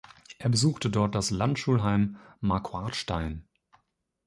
Er besuchte dort das Landschulheim Marquartstein.